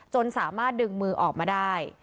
จนสามารถดึงมือออกมาได้